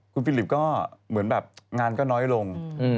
คุณฟิลิปก็เหมือนแบบงานก็น้อยลง